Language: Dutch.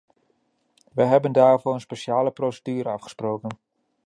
Wij hebben daarvoor een speciale procedure afgesproken.